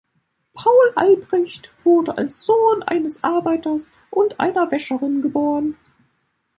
Paul Albrecht wurde als Sohn eines Arbeiters und einer Wäscherin geboren.